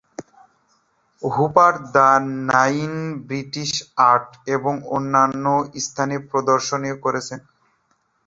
Hooper the nine British art এবং অন্যান্য স্থানে প্রদর্শনী করেছেন।